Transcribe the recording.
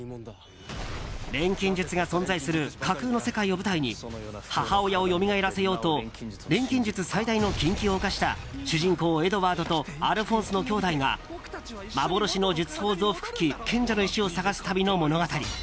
錬金術が存在する架空の世界を舞台に母親をよみがえらせようと錬金術最大の禁忌を犯した主人公、エドワードとアルフォンスの兄弟が幻の術法増幅器賢者の石を探す旅の物語。